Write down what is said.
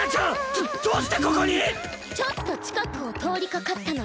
どどうしてここに⁉ちょっと近くを通りかかったので。